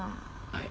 はい。